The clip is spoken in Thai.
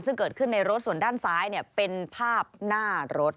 ซึ่งเกิดขึ้นในรถส่วนด้านซ้ายเป็นภาพหน้ารถ